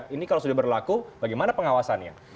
ini kalau sudah berlaku bagaimana pengawasannya